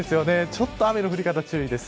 ちょっと雨の降り方注意です。